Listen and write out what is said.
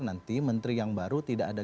nanti menteri yang baru tidak ada